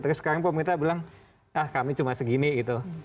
tapi sekarang pemerintah bilang ah kami cuma segini gitu